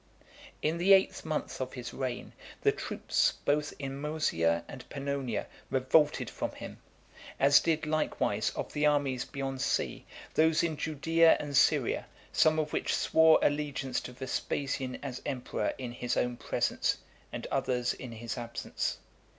XV. In the eighth month of his reign, the troops both in Moesia and Pannonia revolted from him; as did likewise, of the armies beyond sea, those in Judaea and Syria, some of which swore allegiance to Vespasian as emperor in his own presence, and others in his absence.